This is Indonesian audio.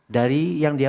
dari yang dia